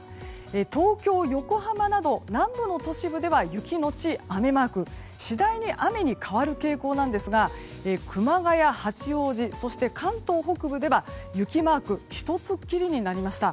東京、横浜など南部の都市部では雪のち雨マーク次第に雨に変わる傾向なんですが熊谷、八王子そして、関東北部では雪マーク１つきりになりました。